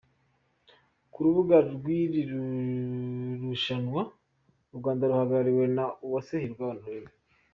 ku rubuga rw'iri rushanwa u Rwanda ruhagarariwe na Uwase Hirwa Honorine .